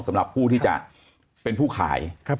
สำหรับผู้ที่จะเป็นผู้ขาย